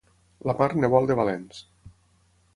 La mar en vol de valents.